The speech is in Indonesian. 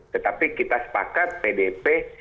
tetapi kita sepakat pdip